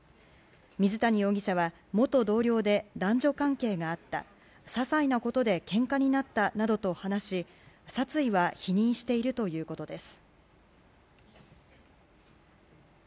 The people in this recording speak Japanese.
水谷容疑者は元同僚で男女関係があったささいなことでけんかになったなどと話し殺意は否認しているということです。